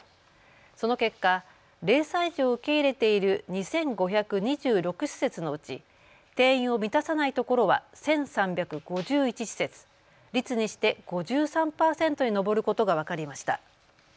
その結果、０歳児を受け入れている２５２６施設のうち定員を満たさないところは１３５１施設、率にして５３％に上ることが分かりました。